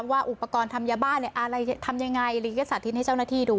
ว่าอุปกรณ์ทำยาบ้าอะไรทำยังไงลิงก็สาธิตให้เจ้าหน้าที่ดู